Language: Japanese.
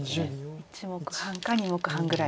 １目半か２目半ぐらい。